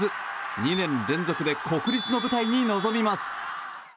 ２年連続で国立の舞台に臨みます。